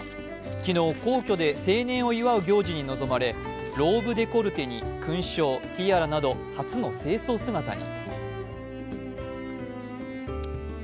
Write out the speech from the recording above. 昨日、皇居で成年を祝う行事に臨まれ、ローブデコルテに勲章、ティアラなど初の正装姿に。